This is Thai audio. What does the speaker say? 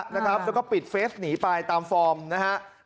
แล้วก็ปิดเฟสหนีไปตามความภาพ